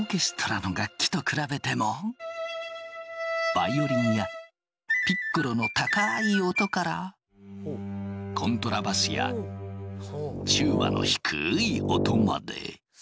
バイオリンやピッコロの高い音からコントラバスやチューバの低い音まで。